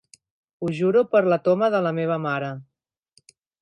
Ho juro per la toma de la meva mare.